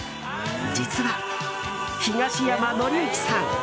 実は、東山紀之さん。